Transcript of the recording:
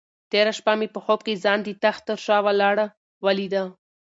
تېره شپه مې په خوب کې ځان د تخت تر شا ولاړه ولیده.